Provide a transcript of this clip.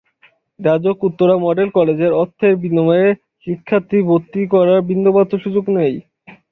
RAJUK Uttara model কলেজে অর্থের বিনিময়ে শিক্ষার্থী ভর্তি করার বিন্দুমাত্র সুযোগ নেই।